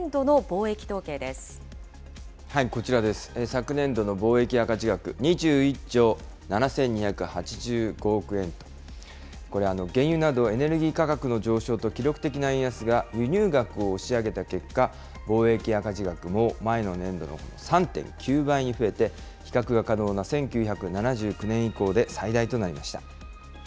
昨年度の貿易赤字額、２１兆７２８５億円と、これ、原油などエネルギー価格の上昇と記録的な円安が輸入額を押し上げた結果、貿易赤字額も前の年度の３．９倍に増えて、比較が可能な１９７９年以降で最大となりました。